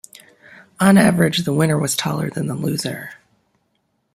On average the winner was taller than the loser.